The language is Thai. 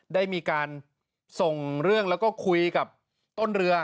ได้มีการส่งเรื่องแล้วก็คุยกับต้นเรือ